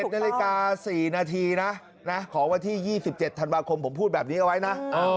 นาฬิกา๔นาทีนะของวันที่๒๗ธันวาคมผมพูดแบบนี้เอาไว้นะ